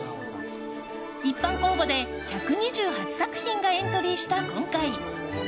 一般公募で１２８作品がエントリーした今回。